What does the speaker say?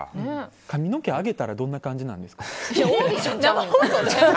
髪の毛上げたらどんな感じなんですか？